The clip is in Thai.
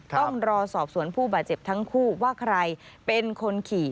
ต้องรอสอบสวนผู้บาดเจ็บทั้งคู่ว่าใครเป็นคนขี่